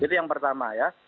jadi yang pertama ya